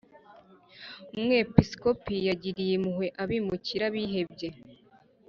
umwepiskopi yagiriye impuhwe abimukira bihebye.